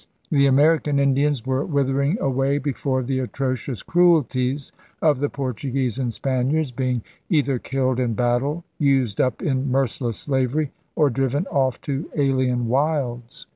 The American Indians were withering away before the atrocious cruelties of the Portuguese and Spaniards, being either killed in battle, used up in merciless slavery, or driven off to alien wilds.